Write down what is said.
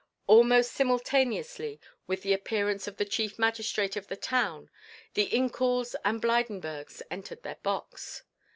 Almost simultaneously with the appearance of the chief magistrate of the town, the Incouls and Blydenburgs entered their box.